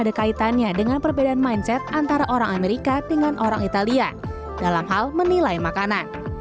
gelato dan es krim ada kaitannya dengan perbedaan mindset antara orang amerika dengan orang italia dalam hal menilai makanan